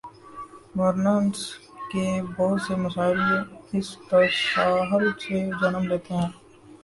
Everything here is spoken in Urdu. گورننس کے بہت سے مسائل اس تساہل سے جنم لیتے ہیں۔